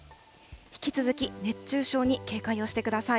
引き続き熱中症に警戒をしてください。